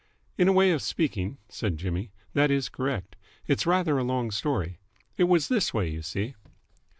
"In a way of speaking," said Jimmy, "that is correct. It's rather a long story. It was this way, you see.